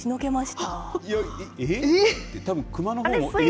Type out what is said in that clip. たぶん熊のほうもえ？